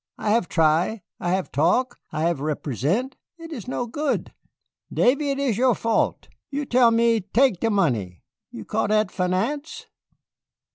"I have try I have talk I have represent it is no good. Davy, it is your fault. You tell me tek dat money. You call dat finance?"